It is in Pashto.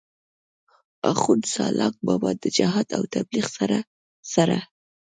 آخون سالاک بابا د جهاد او تبليغ سره سره